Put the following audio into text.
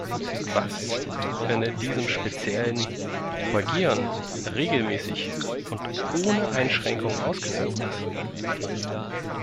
Was, wenn er diesem speziellen "Propagieren" regelmäßig und ohne Einschränkungen ausgesetzt ist?